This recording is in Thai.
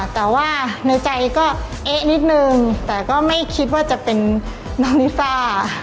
แต่ว่าในใจก็เอ๊ะนิดนึงแต่ก็ไม่คิดว่าจะเป็นน้องลิซ่า